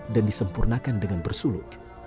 dan disempurnakan dengan bersuluk